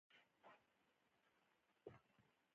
غریب سړی په ژوند کښي هيڅ ملګری نه سي موندلای.